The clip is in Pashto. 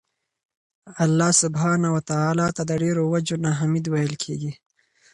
الله سبحانه وتعالی ته د ډيرو وَجُو نه حــمید ویل کیږي